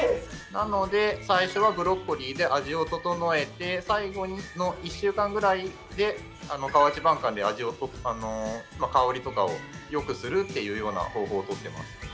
なので最初はブロッコリーで味を整えて最後の１週間ぐらいで河内晩柑で味を香りとかをよくするっていうような方法をとっています。